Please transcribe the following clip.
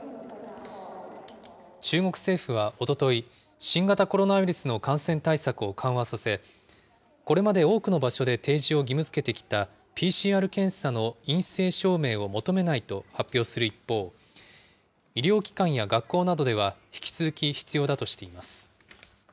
中国政府はおととい、新型コロナウイルスの感染対策を緩和させ、これまで多くの場所で提示を義務づけてきたＰＣＲ検査の陰性証明を求めないと発表する一方、医療機関や学校などでは引き続き必要だとしています。